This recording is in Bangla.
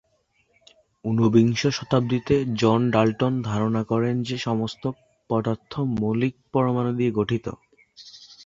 ঊনবিংশ শতাব্দীতে জন ডাল্টন ধারণা করেন যে সমস্ত পদার্থ মৌলিক পরমাণু দিয়ে গঠিত।